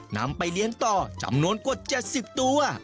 นำไปเลี้ยงต่อจำนวนกว่า๗๐ตัว